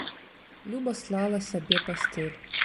Люба слала сабе пасцель.